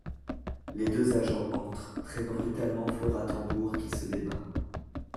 Les deux agents entrent, traînant brutalement Flora Tambour qui se débat…